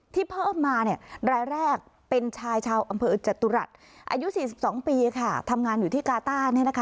ที่เพิ่มมารายแรกเป็นชายชาวอำเภออึดจตุรัสอายุ๔๒ปีค่ะทำงานอยู่ที่กาต้า